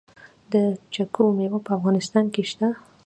د چیکو میوه په افغانستان کې شته؟